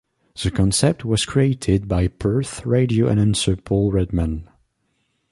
The concept was created by Perth radio announcer Paul Redman.